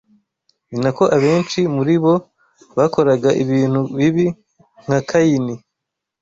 ni na ko abenshi muri bo bakoraga ibintu bibi nka Kayini.